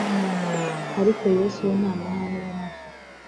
ariko Yesu we nta mahane yari afite.